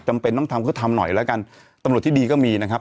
จำเป็นต้องทำก็ทำหน่อยแล้วกันตำรวจที่ดีก็มีนะครับ